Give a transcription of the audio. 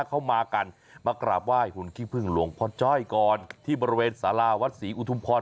เข้ามากันมากราบไหว้หุ่นขี้พึ่งหลวงพ่อจ้อยก่อนที่บริเวณสาราวัดศรีอุทุมพร